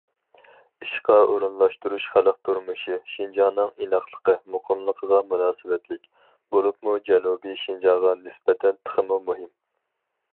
ئىشقا ئورۇنلاشتۇرۇش خەلق تۇرمۇشى، شىنجاڭنىڭ ئىناقلىقى، مۇقىملىقىغا مۇناسىۋەتلىك، بولۇپمۇ جەنۇبىي شىنجاڭغا نىسبەتەن تېخىمۇ مۇھىم.